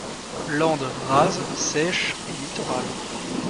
Lande rase, sèche et littorale.